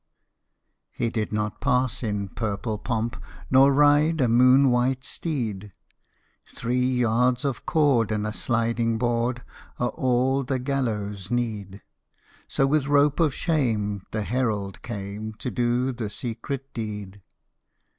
He did not pass in purple pomp, Nor ride a moon white steed. Three yards of cord and a sliding board Are all the gallowsâ need: So with rope of shame the Herald came To do the secret deed.